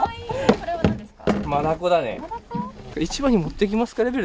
これは何ですか？